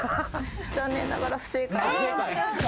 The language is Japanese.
残念ながら不正解です。